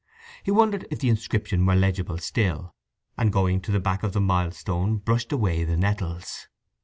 He wondered if the inscription were legible still, and going to the back of the milestone brushed away the nettles.